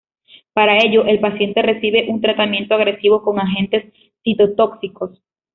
Para ello, el paciente recibe un tratamiento agresivo con agentes citotóxicos.